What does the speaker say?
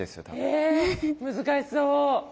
え難しそう。